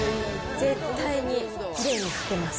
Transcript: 絶対にきれいに書けます。